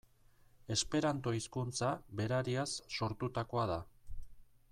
Esperanto hizkuntza berariaz sortutakoa da.